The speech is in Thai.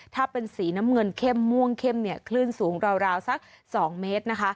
ถ้าเป็นสีน้ำเงินเข้มม่วงเข้มคลื่นสูงราวสัก๒เมตรนะคะ